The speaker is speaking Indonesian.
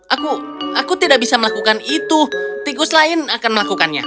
aku aku tidak bisa melakukan itu tikus lain akan melakukannya